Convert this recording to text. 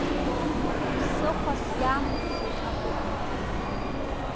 Ԥсыхәас иамоузеи абри?